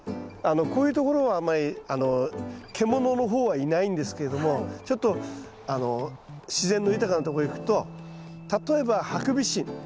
こういうところはあんまり獣の方はいないんですけどもちょっと自然の豊かなとこ行くと例えばハクビシン。